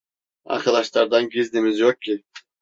Arkadaşlardan gizlimiz yok ki...